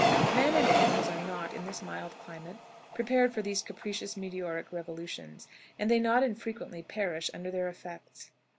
Men and animals are not, in this mild climate, prepared for these capricious meteoric revolutions, and they not unfrequently perish under their effects.